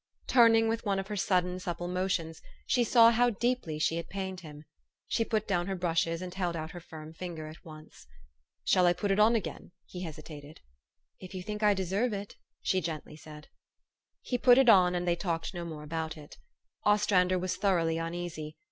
Turning with one of her sudden, supple motions, she saw how deeply she had pained him. She put down her brushes, and held out her firm finger at once. " Shall I put it on again? " he hesitated. " If you think I deserve it," she gently said. He put it on ; and they talked no more about it. Ostrander was thoroughly uneasy.